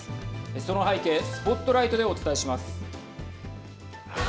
その背景、ＳＰＯＴＬＩＧＨＴでお伝えします。